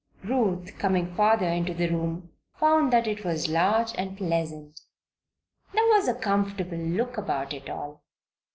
Ruth, coming farther into the room, found that it was large and pleasant. There was a comfortable look about it all.